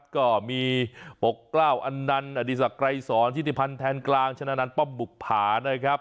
ก็มีปกก้าวอันนันต์อดีศะกรายสวนชานิพันธ์แทนกลางชนะนั้นป้อมบุบผาร์ครับ